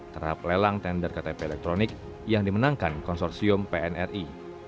terhadap lelang tender ktp elektronik yang dimenangkan konsorsium pnri